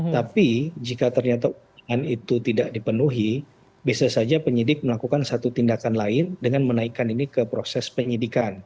tapi jika ternyata itu tidak dipenuhi bisa saja penyidik melakukan satu tindakan lain dengan menaikkan ini ke proses penyidikan